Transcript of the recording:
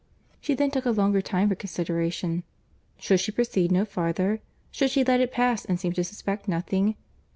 She then took a longer time for consideration. Should she proceed no farther?—should she let it pass, and seem to suspect nothing?